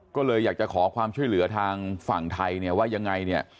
ก็เลยอยากจะขอความช่วยเหลือทางฝั่งไทยเนี่ยว่ายังไงเนี่ย